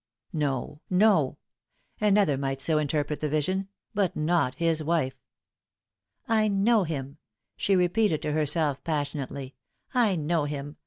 No, no I Another might so interpret the vision, but not his wife. " I know him," she repeated to herself passionately ;" I know him.